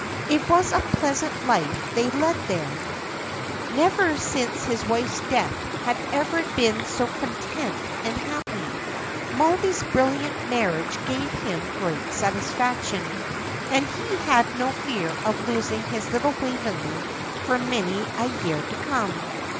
It was a pleasant life they led there. Never since his wife's death had Everard been so content and happy. Mollie's brilliant marriage gave him great satisfaction, and he had no fear of losing his little Waveney for many a year to come.